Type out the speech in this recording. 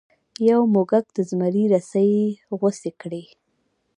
یو موږک د زمري رسۍ غوڅې کړې.